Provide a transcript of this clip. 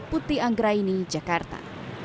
putri anggraini jakarta